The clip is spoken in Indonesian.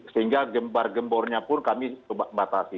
sehingga gembar gembornya pun kami coba batasi